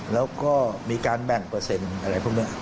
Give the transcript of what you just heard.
แล้วก็มีการแบ่งเปอร์เซ็นต์อะไรพวกนี้